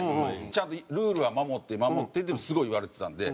ちゃんとルールは守って守ってっていうのはすごい言われてたんで。